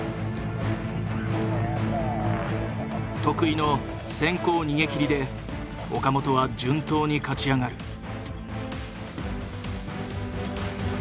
得意の先行逃げきりで岡本は順当に勝ち上がる。